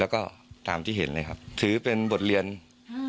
แล้วก็ตามที่เห็นเลยครับถือเป็นบทเรียนอืม